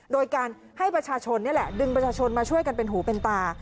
โดยการให้ประชาชนนี่แหละดึงประชาชนมาช่วยกันเป็นหูเป็นตา